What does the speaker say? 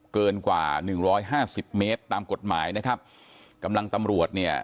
เกินกว่า๑๕๐เมตรตามกฎหมายนะครับกำลังตำรวจเนี่ย